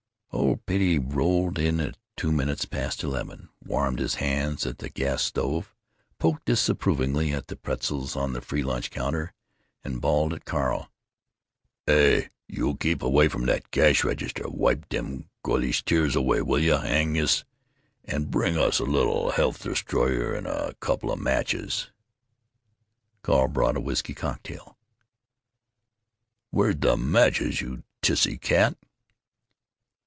Old Petey rolled in at two minutes past eleven, warmed his hands at the gas stove, poked disapprovingly at the pretzels on the free lunch counter, and bawled at Carl: "Hey, keep away from dat cash register! Wipe dem goilish tears away, will yuh, Agnes, and bring us a little health destroyer and a couple matches." Carl brought a whisky cocktail. "Where's de matches, you tissy cat?"